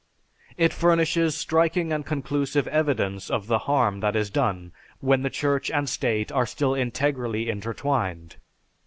It furnishes striking and conclusive evidence of the harm that is done when the Church and State are still integrally intertwined.